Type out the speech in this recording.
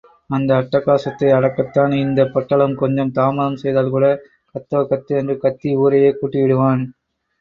அந்த அட்டகாசத்தை அடக்கத்தான், இந்தப் பொட்டலம் கொஞ்சம் தாமதம் செய்தால்கூட, கத்தோ கத்து என்று கத்தி ஊரையே கூட்டிவிடுவான்.